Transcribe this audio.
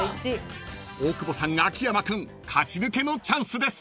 ［大久保さん秋山君勝ち抜けのチャンスです］